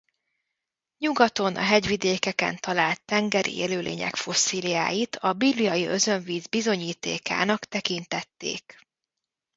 Nyugaton a hegyvidékeken talált tengeri élőlények fosszíliáit a bibliai Özönvíz bizonyítékának tekintették.